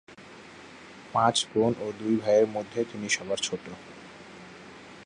পাঁচ বোন ও দুই ভাইয়ের মধ্যে তিনি সবার ছোট।